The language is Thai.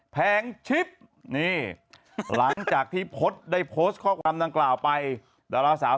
แพงชิปนี่หลังจากที่พจน์ได้โพสต์ข้อความดังกล่าวไปดาราสาว